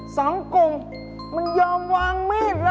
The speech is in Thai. สองกลุ่มมันยอมวางมีดเลย